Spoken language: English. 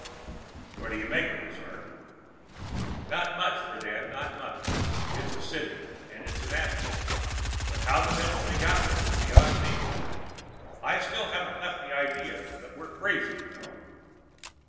"What do you make of it, sir?" "Not much, Friden, not much. It's a city and that's an asteroid; but how the devil they got there is beyond me. I still haven't left the idea that we're crazy, you know."